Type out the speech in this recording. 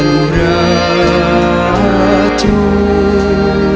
เฟ้อดนมันด้านรักให้ใจมุ่งมัน